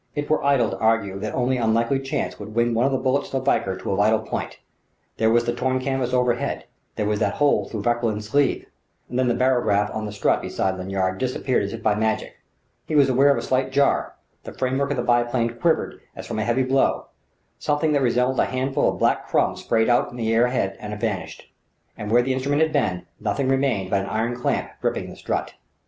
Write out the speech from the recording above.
It were idle to argue that only unlikely chance would wing one of the bullets from the Valkyr to a vital point: there was the torn canvas overhead, there was that hole through Vauquelin's sleeve.... And then the barograph on the strut beside Lanyard disappeared as if by magic. He was aware of a slight jar; the framework of the biplane quivered as from a heavy blow; something that resembled a handful of black crumbs sprayed out into the air ahead and vanished: and where the instrument had been, nothing remained but an iron clamp gripping the strut.